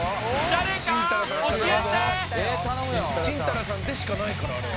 誰か教えてチンタラさんでしかないからね